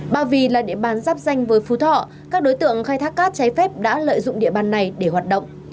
ba vì là địa bàn giáp danh với phú thọ các đối tượng khai thác cát cháy phép đã lợi dụng địa bàn này để hoạt động